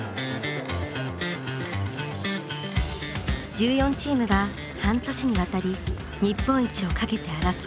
１４チームが半年にわたり日本一をかけて争う。